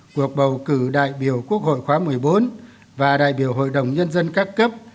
cuộc bầu cử đại biểu quốc hội khóa một mươi bốn và đại biểu hội đồng nhân dân các cấp